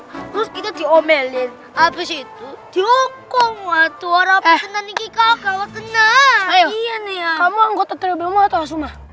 terus kita diomelin abis itu diokong waktu rapi senangnya kagak wakena iya nih kamu anggota terima